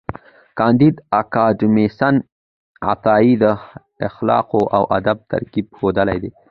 کانديد اکاډميسن عطایي د اخلاقو او ادب ترکیب ښوولی دی.